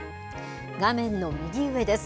画面の右上です。